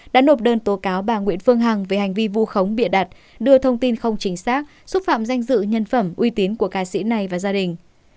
đã nộp đơn tố cáo bà nguyễn phương hằng về hành vi vu khống bịa đặt đưa thông tin không chính xác xúc phạm danh dự nhân phẩm uy tín của ca sĩ này và gia đình